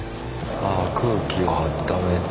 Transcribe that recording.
ああ空気をあっためて。